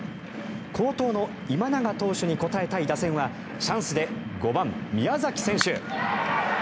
好投の今永投手に応えたい打線はチャンスで５番、宮崎選手。